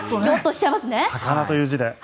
魚という字で。